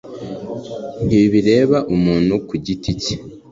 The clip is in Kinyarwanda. ntibireba umuntu ku giti cye.